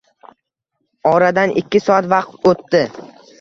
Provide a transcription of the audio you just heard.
Oradan ikki soat vaqt o`tdi